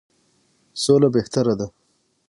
سوله بهتره ده.